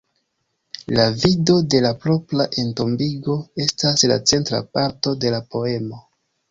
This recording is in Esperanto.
La vido de la propra entombigo, estas la centra parto de la poemo.